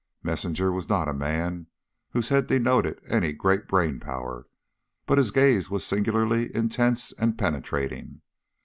Messinger was not a man whose head denoted any great brain power, but his gaze was singularly intense and penetrating.